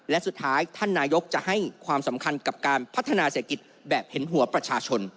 และสุดท้ายท่านนายกจะให้ความสำคัญกับการพัฒนาเศรษฐกิจแบบเห็นหัวประชาชน